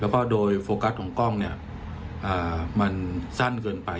แล้วก็โดยโฟกัสของกล้องเนี่ยมันสั้นเกินไป